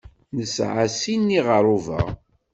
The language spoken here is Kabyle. Nesɛa sin n yiɣerruba.